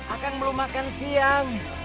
akang belum makan siang